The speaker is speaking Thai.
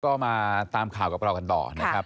ก็มาตามข่าวกับเรากันต่อนะครับ